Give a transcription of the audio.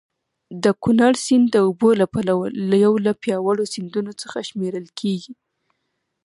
د کونړ سیند د اوبو له پلوه یو له پیاوړو سیندونو څخه شمېرل کېږي.